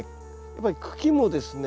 やっぱり茎もですね